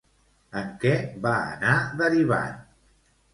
En què va anar derivant?